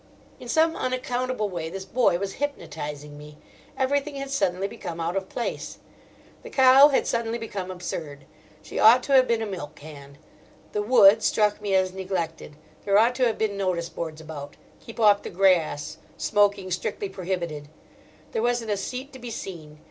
In some unaccountable way this boy was hypnotising me. Everything had suddenly become out of place. The cow had suddenly become absurd: she ought to have been a milk can. The wood struck me as neglected: there ought to have been notice boards about, "Keep off the Grass," "Smoking Strictly Prohibited": there wasn't a seat to be seen.